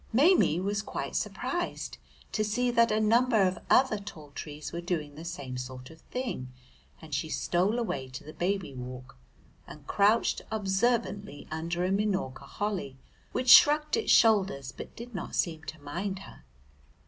Maimie was quite surprised to see that a number of other tall trees were doing the same sort of thing, and she stole away to the Baby Walk and crouched observantly under a Minorca Holly which shrugged its shoulders but did not seem to mind her.